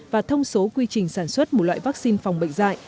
và thông số quy trình sản xuất một loại vaccine phòng bệnh dạy